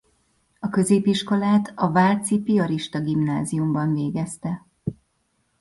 A középiskolát a Váci Piarista Gimnáziumban végezte.